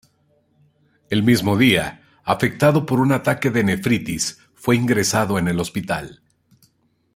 El mismo día, afectado por un ataque de nefritis, fue ingresado en el hospital.